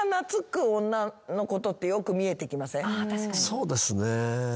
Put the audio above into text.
そうですねぇ。